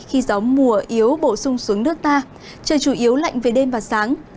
khi gió mùa yếu bổ sung xuống nước ta trời chủ yếu lạnh về đêm và sáng